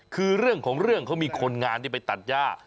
คือเรื่องของเรื่องเขามีคนงานที่ไปตัดย่า